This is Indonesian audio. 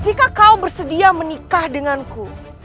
jika kau bersedia menikah denganku